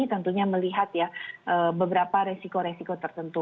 tentunya melihat ya beberapa resiko resiko tertentu